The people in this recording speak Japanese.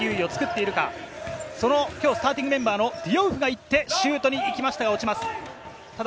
今日のスターティングメンバーのディオウフがシュートに行きましたが落ちます。